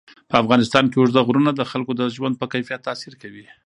په افغانستان کې اوږده غرونه د خلکو د ژوند په کیفیت تاثیر کوي.